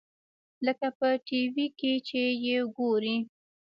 لکه په ټي وي کښې چې يې وګورې.